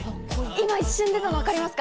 今、一瞬出たの分かりますか？